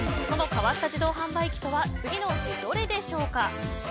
その変わった自動販売機とは次のうち、どれでしょうか？